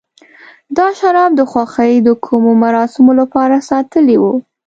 دا شراب د خوښۍ د کومو مراسمو لپاره ساتلي و.